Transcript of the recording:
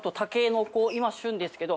旬ですけど。